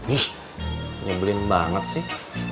ih nyebelin banget sih